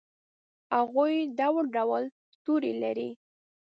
هغوي ډول ډول تورې لري